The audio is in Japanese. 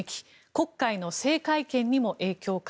黒海の制海権にも影響か。